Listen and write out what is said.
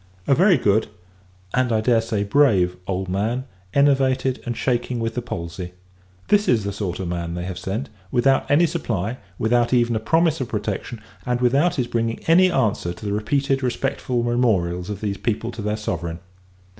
A very good and, I dare say, brave old man; enervated, and shaking with the palsy. This is the sort of man that they have sent; without any supply, without even a promise of protection, and without his bringing any answer to the repeated respectful memorials of these people to their Sovereign.